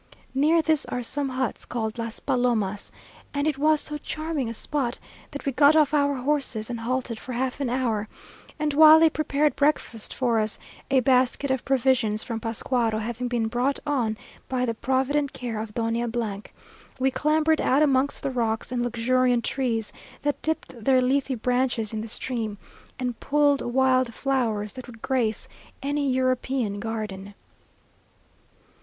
Near this are some huts called Las Palomas, and it was so charming a spot, that we got off our horses, and halted for half an hour; and while they prepared breakfast for us, a basket of provisions from Pascuaro having been brought on by the provident care of Doña , we clambered out amongst the rocks and luxuriant trees that dipped their leafy branches in the stream, and pulled wild flowers that would grace any European garden.